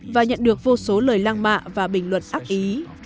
và nhận được vô số lời lang mạ và bình luật ác ý